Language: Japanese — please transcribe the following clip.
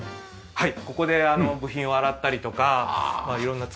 はい。